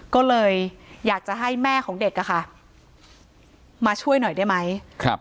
ก็เลยอยากจะให้แม่ของเด็กอะค่ะมาช่วยหน่อยได้ไหม